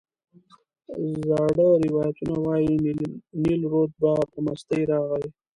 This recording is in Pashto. زاړه روایتونه وایي نیل رود به په مستۍ راغی.